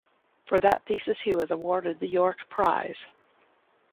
For that thesis he was awarded the Yorke Prize.